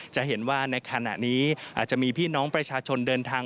จะเห็นว่าในขณะนี้อาจจะมีพี่น้องประชาชนเดินทาง